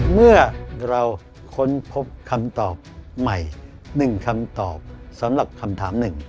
เมื่อเราค้นพบคำตอบใหม่๑คำตอบสำหรับคำถามหนึ่ง